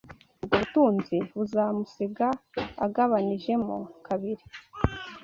Ubwo butunzi buzamusiga, agabanijemo kabiri